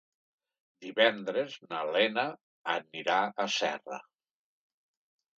Divendres na Lena anirà a Serra.